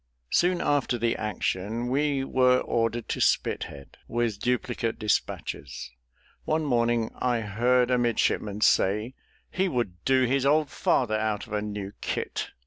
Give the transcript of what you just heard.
Soon after the action, we were ordered to Spithead, with duplicate despatches. One morning I heard a midshipman say, "he would do his old father out of a new kit."